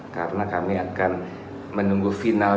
karena kami akan menunggu final